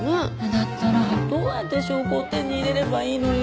だったらどうやって証拠を手に入れればいいのよ。